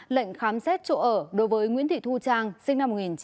lệnh khám xét chỗ ở đối với nguyễn thị thu trang sinh năm một nghìn chín trăm tám mươi